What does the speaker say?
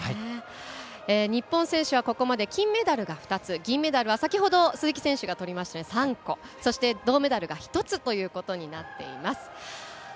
日本選手はここまで金メダルが２つ銀メダルは先ほど鈴木選手がとりまして３個、そして銅メダルが１つということになっています。